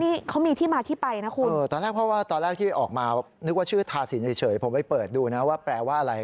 นี่เขามีที่มาที่ไปนะคุณเออตอนแรกเพราะว่าตอนแรกที่ออกมานึกว่าชื่อทาสินเฉยผมไปเปิดดูนะว่าแปลว่าอะไร